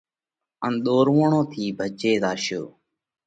ان ۮورووڻون ٿِي ڀچي زاشون۔